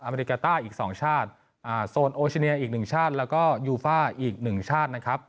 เมริกาต้าอีก๒ชาติโซนโอชิเนียอีกหนึ่งชาติแล้วก็ยูฟ่าอีกหนึ่งชาตินะครับ